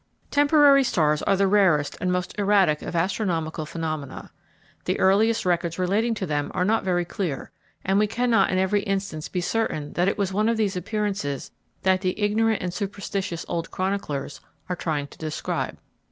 Temporary stars are the rarest and most erratic of astronomical phenomena. The earliest records relating to them are not very clear, and we cannot in every instance be certain that it was one of these appearances that the ignorant and superstitious old chroniclers are trying to describe.